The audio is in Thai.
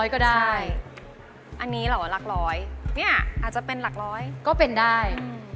ก็ไม่แน่ไม่แน่อาจจะมีหลักร้อยก็ได้